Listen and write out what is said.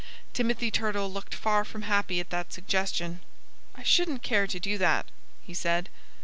Timothy Turtle looked far from happy at that suggestion. "I shouldn't care to do that," he said.